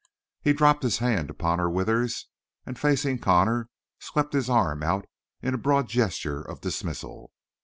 He dropped his hand upon her withers, and facing Connor, swept his arm out in a broad gesture of dismissal.